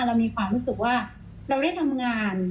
เรามีความรู้สึกว่าเราได้ทำงาน